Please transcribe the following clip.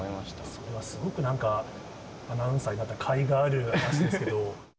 それはすごくなんか、アナウンサーになったかいがある話ですけど。